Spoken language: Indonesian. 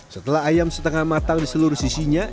setelah ayam setengah matang di seluruh sisinya